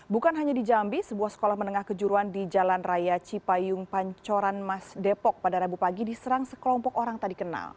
bukan hanya di jambi sebuah sekolah menengah kejuruan di jalan raya cipayung pancoran mas depok pada rabu pagi diserang sekelompok orang tak dikenal